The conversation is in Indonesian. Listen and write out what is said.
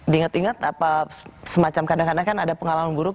diinget inget apa semacam kadang kadang kan ada pengalaman buruk